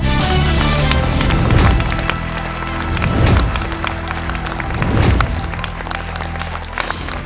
ค่ะ